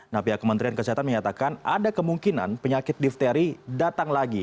nah pihak kementerian kesehatan menyatakan ada kemungkinan penyakit difteri datang lagi